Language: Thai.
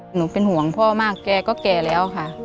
หนูเป็นห่วงพ่อมากแกก็แก่แล้วค่ะ